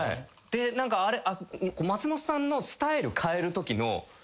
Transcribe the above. で何か松本さんのスタイル変えるときの。